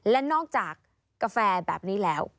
และนอกจากกาแฟแบบนี้แล้ว